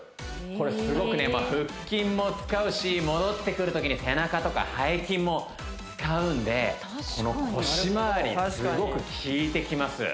これすごくね腹筋も使うし戻ってくるときに背中とか背筋も使うんでこの腰まわりすごく効いてきます